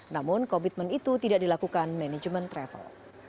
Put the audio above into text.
namun komitmen itu tidak dilakukan manajemen travel